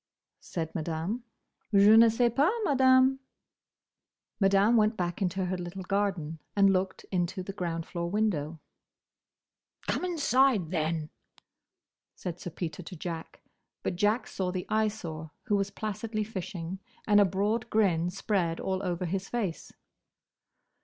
said Madame. "Je ne sais pas, Madame." Madame went back into her little garden, and looked into the ground floor window. "Come inside, then!" said Sir Peter to Jack. But Jack saw the Eyesore, who was placidly fishing, and a broad grin spread all over his face.